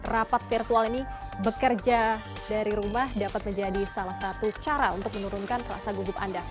rapat virtual ini bekerja dari rumah dapat menjadi salah satu cara untuk menurunkan rasa gugup anda